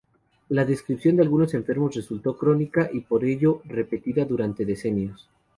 La descripción de algunos enfermos resultó canónica, y por ello repetida durante decenios.